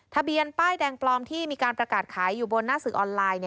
ทะเบียนป้ายแดงปลอมที่มีการประกาศขายอยู่บนหน้าสื่อออนไลน์